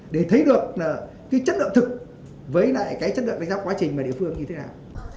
để thấy được là cái chất lượng thực với lại cái chất lượng đánh giá quá trình mà địa phương như thế nào